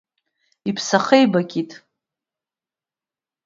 Иԥсахы еибакит.